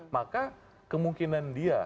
maka kemungkinan dia